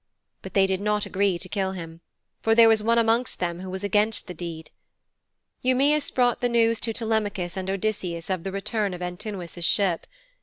But they did not agree to kill him then, for there was one amongst them who was against the deed. Eumæus brought the news to Telemachus and Odysseus of the return of Antinous' ship.